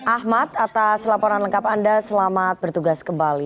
ahmad atas laporan lengkap anda selamat bertugas kembali